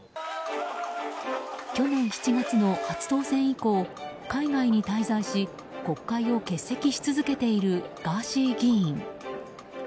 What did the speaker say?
去年７月の初当選以降海外に滞在し国会を欠席し続けているガーシー議員。